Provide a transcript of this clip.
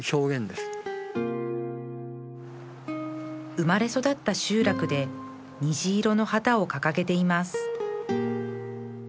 生まれ育った集落で虹色の旗を掲げています